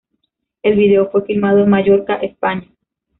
El video fue filmado en Mallorca, España.